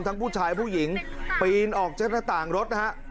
ผู้ชายผู้หญิงปีนออกจากหน้าต่างรถนะฮะ